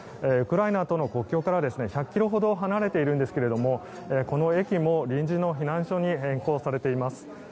ウクライナとの国境から１００ｋｍほど離れているんですがこの駅も臨時の避難所に変更されています。